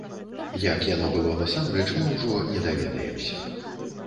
Як яно было насамрэч, мы ўжо не даведаемся.